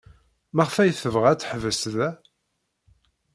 Maɣef ay tebɣa ad teḥbes da?